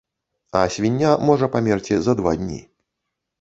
А свіння можа памерці за два дні.